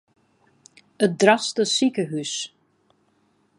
It Drachtster sikehús.